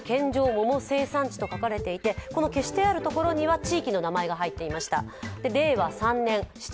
桃生産地と書いてありまして、この消してあるところには地域の名前が入っていました。